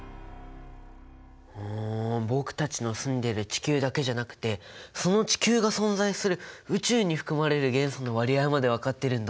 僕たちの住んでる地球だけじゃなくてその地球が存在する宇宙に含まれる元素の割合まで分かってるんだね。